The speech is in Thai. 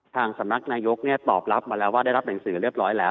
สำนักนายกตอบรับมาแล้วว่าได้รับหนังสือเรียบร้อยแล้ว